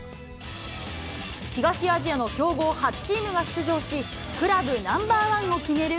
東アジアの強豪８チームが出場し、クラブナンバーワンを決める